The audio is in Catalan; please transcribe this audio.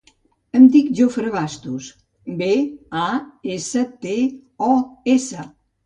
Em dic Jofre Bastos: be, a, essa, te, o, essa.